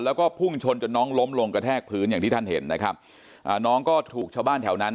แล้วก็พุ่งชนจนน้องล้มลงกระแทกพื้นอย่างที่ท่านเห็นนะครับอ่าน้องก็ถูกชาวบ้านแถวนั้น